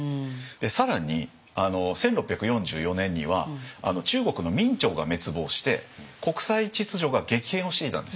更に１６４４年には中国の明朝が滅亡して国際秩序が激変をしていたんです。